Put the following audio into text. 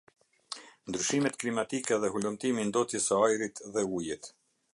Ndryshimet klimatike dhe hulumtimi i ndotjes se ajrit dhe ujit.